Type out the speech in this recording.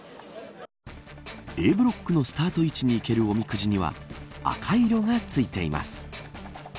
Ａブロックのスタート位置に行けるおみくじには赤い色が付いています。